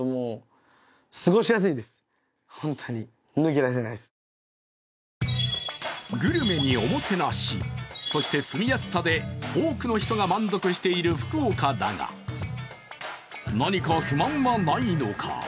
実は最近グルメにおもてなし、そして住みやすさで多くの人が満足している福岡だが何か不満はないのか？